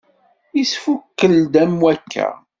Yesfukel-d am wakka.